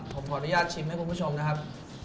ผมขออนุญาตชิมให้คุณผู้ชมนะครับ